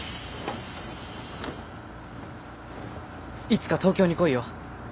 いつか東京に来いよ。